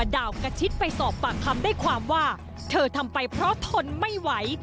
ดาวกระชิดไปสอบปากคำได้ความว่าเธอทำไปเพราะทนไม่ไหว